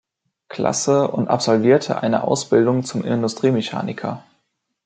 Klasse und absolvierte eine Ausbildung zum Industriemechaniker.